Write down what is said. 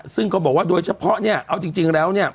ซึ่งก็บอกว่าโดยเฉพาะเนี่ยเอาจริงแล้วเนี่ย